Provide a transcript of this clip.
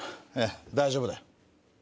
大丈夫だよ。